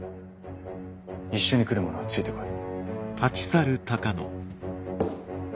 一緒に来る者はついてこい。